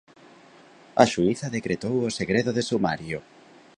A xuíza decretou o segredo de sumario.